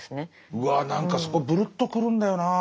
うわ何かそこぶるっとくるんだよな。